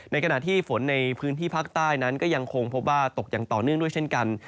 ขณะที่ฝนในพื้นที่ภาคใต้นั้นก็ยังคงพบว่าตกอย่างต่อเนื่องด้วยเช่นกัน